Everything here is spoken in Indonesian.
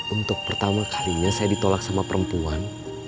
untuk pertama kalinya saya ditolak sama perempuan